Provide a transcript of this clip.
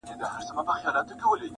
ښېرې مې ماخله پۀ سکڼي سکڼي ماښام هلکه